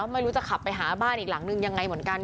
ไม่รู้จะขับไปหาบ้านอีกหลังนึงยังไงเหมือนกัน